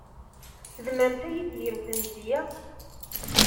Tzemremt ad iyi-tgemt lemzeyya?